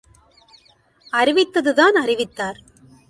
அறிவித்தது தான் அறிவித்தார்!